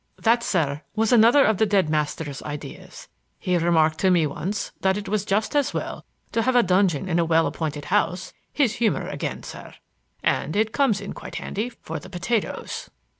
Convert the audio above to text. "That, sir, was another of the dead master's ideas. He remarked to me once that it was just as well to have a dungeon in a well appointed house,—his humor again, sir! And it comes in quite handy for the potatoes."